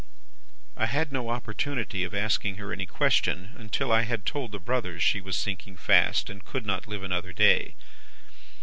"I had no opportunity of asking her any question, until I had told the brothers she was sinking fast, and could not live another day.